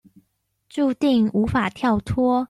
註定無法跳脫